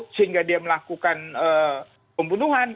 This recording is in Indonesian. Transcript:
sehingga dia melakukan pembunuhan